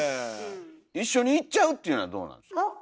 一緒に行っちゃうっていうのはどうなんですか？